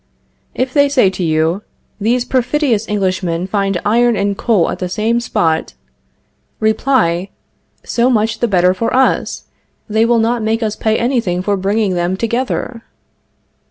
If they say to you: These perfidious Englishmen find iron and coal at the same spot Reply: So much the better for us; they will not make us pay anything for bringing them together.